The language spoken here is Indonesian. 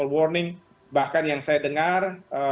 warning bahkan yang saya dengar